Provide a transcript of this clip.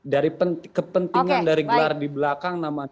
dari kepentingan dari gelar di belakang